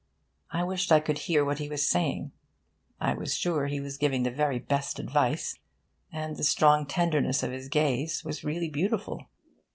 I wished I could hear what he was saying. I was sure he was giving the very best advice; and the strong tenderness of his gaze was really beautiful.